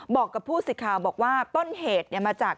บอกกับผู้สื่อข่าวบอกว่าต้นเหตุมาจาก